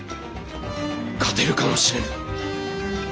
勝てるかもしれぬ。